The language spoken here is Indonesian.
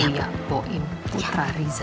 buya buim putra riza